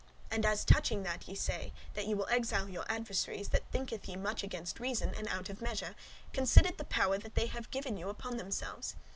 And as touching that ye say, that ye will exile your adversaries, that thinketh ye much against reason, and out of measure, [moderation] considered the power that they have given you upon themselves.